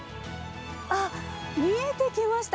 あっ、見えてきました、